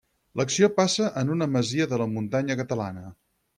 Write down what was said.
L'acció passa en una masia de la muntanya catalana.